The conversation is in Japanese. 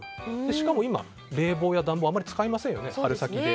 しかも今、冷房や暖房あまり使いませんよね、春先で。